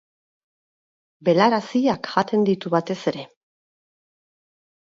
Belar haziak jaten ditu batez ere.